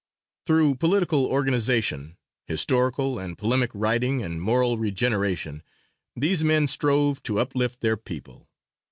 Through political organization, historical and polemic writing and moral regeneration, these men strove to uplift their people.